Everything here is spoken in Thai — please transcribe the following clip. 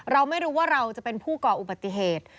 เราไม่รู้ว่าเราจะเป็นผู้ก่ออุบัติเหตุ